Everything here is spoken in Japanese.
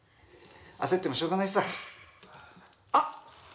焦ってもしょうがないさ。あっ！